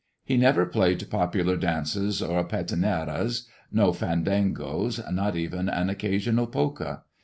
He never played popular dances or peteneras, no fandangos, not even an occasional polka.